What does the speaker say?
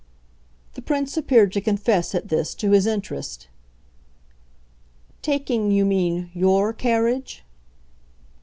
The Prince appeared to confess, at this, to his interest. "Taking, you mean, YOUR carriage?"